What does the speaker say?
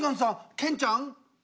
ケンちゃん握手」。